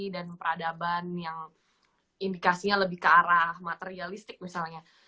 dan peradaban yang indikasinya lebih ke arah materialistik misalnya